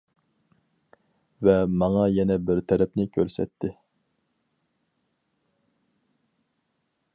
ۋە ماڭا يەنە بىر تەرەپنى كۆرسەتتى.